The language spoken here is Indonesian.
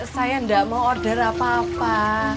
saya tidak mau order apa apa